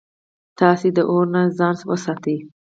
تاسي د اور نه ځان وساتئ